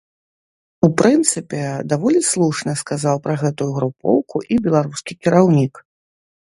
У прынцыпе, даволі слушна сказаў пра гэтую групоўку і беларускі кіраўнік.